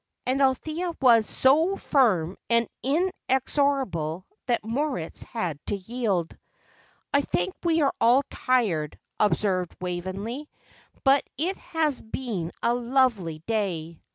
And Althea was so firm and inexorable that Moritz had to yield. "I think we are all tired," observed Waveney. "But it has been a lovely day."